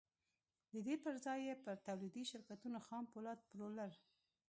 د دې پر ځای يې پر توليدي شرکتونو خام پولاد پلورل.